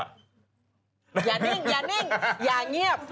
อย่านิ่งอย่างเงียบ